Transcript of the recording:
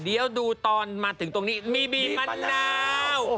เดี๋ยวดูตอนมาถึงตรงนี้มีบีมะนาว